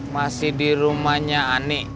masih di rumahnya anik